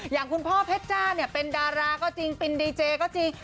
อย่างคุณพ่อเพชรจ้าเนี่ยเป็นดาราก็จริงเป็นดีเจก็จริง